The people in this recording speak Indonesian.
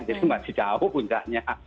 jadi masih jauh puncaknya